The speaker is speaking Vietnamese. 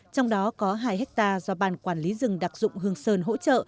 trong đó có hai hectare do ban quản lý rừng đặc dụng hương sơn hỗ trợ